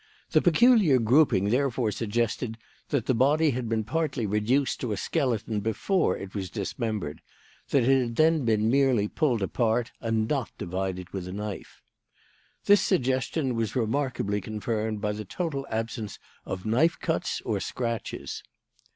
The peculiar grouping therefore suggested that the body had been partly reduced to a skeleton before it was dismembered; that it had then been merely pulled apart and not divided with a knife. "This suggestion was remarkably confirmed by the total absence of knife cuts or scratches.